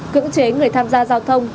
cưỡng chế người tham gia giao thông